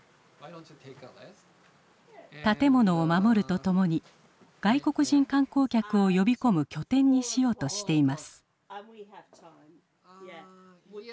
建物を守るとともに外国人観光客を呼び込む拠点にしようとしています。